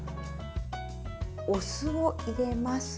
お酢を入れます。